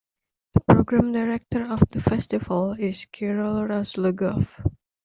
The program director of the Festival is Kirill Razlogov.